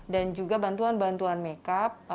dan juga bantuan bantuan makeup